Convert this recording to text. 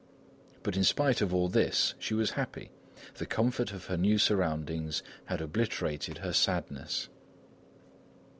But in spite of all this, she was happy. The comfort of her new surroundings had obliterated her sadness.